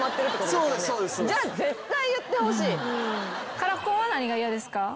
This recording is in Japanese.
カラコンは何が嫌ですか？